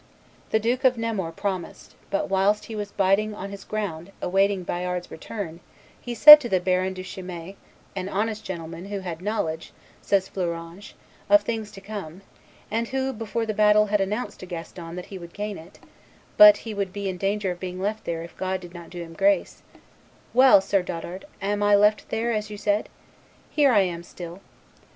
"The Duke of Nemours promised; but whilst he was biding on his ground, awaiting Bayard's return, he said to the Baron du Chimay, "an honest gentleman who had knowledge," says Fleuranges, "of things to come, and who, before the battle, had announced to Gaston that he would gain it, but he would be in danger of being left there if God did not do him grace, Well, Sir Dotard, am I left there, as you said? Here I am still.